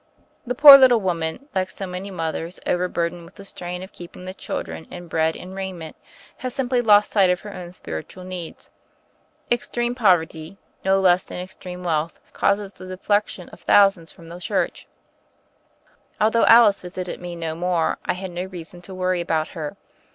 The poor little woman, like so many mothers over burdened with the strain of keeping the chil dren in bread and raiment, had simply lost sight of her own spiritual needs. Extreme pov erty, no less than extreme wealth, causes the de flection of thousands from the Church. Although Alice visited me no more I had no reason to worry about her.